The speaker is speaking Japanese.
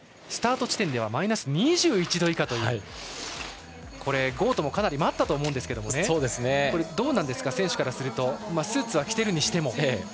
スタート地点ではマイナス２１度以下というゴウトもかなり待ったと思うんですがどうですか、選手からするとスーツは着ているにしても。